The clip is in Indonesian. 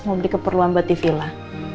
mau beli keperluan buat di vila